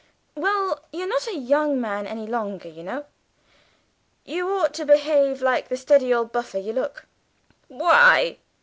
"Well, you're not a young man any longer, you know. You ought to behave like the steady old buffer you look." "Why?"